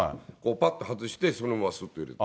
ぱっと外して、そのまますっと入れて。